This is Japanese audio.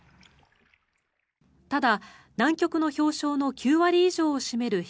ただ、南極の氷床の９割以上を占める東